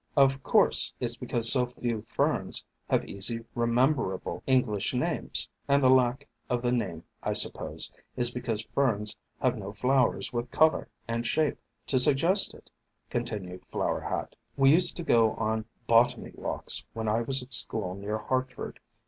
"Of course it's be cause so few Ferns have easy remember able English names, and the lack of the name, I suppose, is because Ferns have THE FANTASIES OF FERNS 189 no flowers with color and shape to suggest it," con tinued Flower Hat. "We used to go on 'botany walks' when I was at school near Hartford.